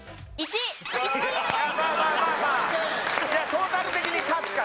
トータル的に勝つから。